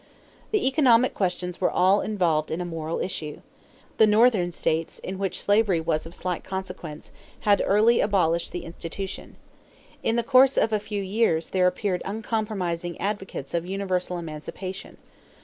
The economic questions were all involved in a moral issue. The Northern states, in which slavery was of slight consequence, had early abolished the institution. In the course of a few years there appeared uncompromising advocates of universal emancipation.